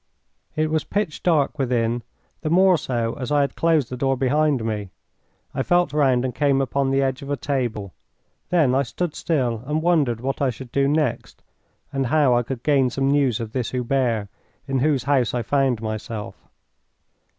It was pitch dark within the more so as I had closed the door behind me. I felt round and came upon the edge of a table. Then I stood still and wondered what I should do next, and how I could gain some news of this Hubert, in whose house I found myself.